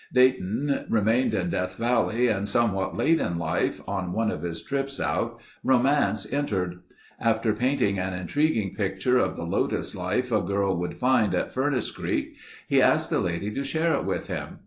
Dayton remained in Death Valley and somewhat late in life, on one of his trips out, romance entered. After painting an intriguing picture of the lotus life a girl would find at Furnace Creek, he asked the lady to share it with him.